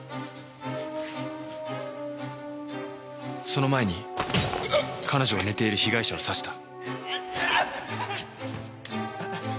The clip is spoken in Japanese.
その前に彼女が寝ている被害者を刺した。